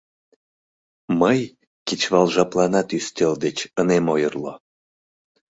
Мый кечывал жапланат ӱстел деч ынем ойырло.